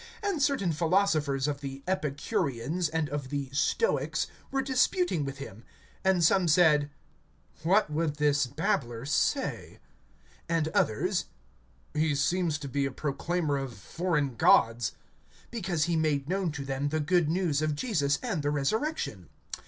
(18)And certain philosophers of the Epicureans, and of the Stoics, were disputing with him. And some said: What would this babbler say? and others: He seems to be a proclaimer of foreign gods; because he made known to them the good news of Jesus and the resurrection.